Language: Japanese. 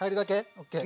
ＯＫ。